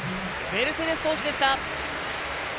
メルセデス投手でした。